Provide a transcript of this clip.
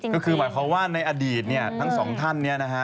ก็คือหมายความว่าในอดีตเนี่ยทั้งสองท่านเนี่ยนะฮะ